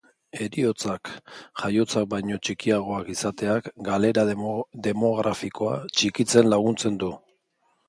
Heriotzak jaiotzak baino txikiagoak izateak, galera demografikoa txikitzen laguntzen du.